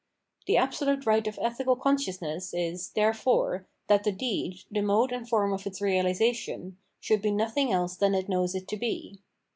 The absolute right of ethical consciousness is, therefore, that the deed, the mode and form of its realisation, should be nothing else than it knows it to be.